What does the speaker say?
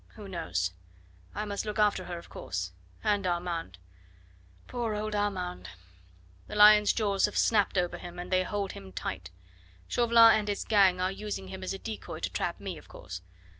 Who knows? I must look after her of course. And Armand! Poor old Armand! The lion's jaws have snapped over him, and they hold him tight. Chauvelin and his gang are using him as a decoy to trap me, of course.